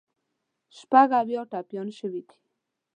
شپږ اویا ټپیان شوي دي.